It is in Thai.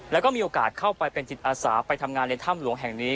แล้วก็มีโอกาสเข้าไปเป็นจิตอาสาไปทำงานในถ้ำหลวงแห่งนี้